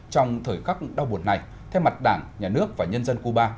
trong thời khắc đau buồn này theo mặt đảng nhà nước và nhân dân cuba